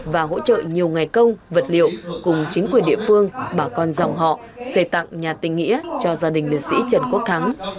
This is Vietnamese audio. và hỗ trợ nhiều ngày công vật liệu cùng chính quyền địa phương bà con dòng họ xây tặng nhà tình nghĩa cho gia đình liệt sĩ trần quốc thắng